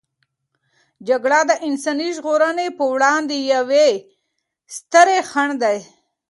جګړه د انساني ژغورنې په وړاندې یوې سترې خنډ دی.